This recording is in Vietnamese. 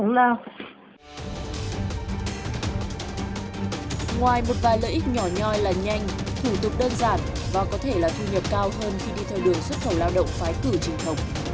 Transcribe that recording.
ngoài một vài lợi ích nhỏ nhoi là nhanh thủ tục đơn giản và có thể là thu nhập cao hơn khi đi theo đường xuất khẩu lao động phái cử truyền thống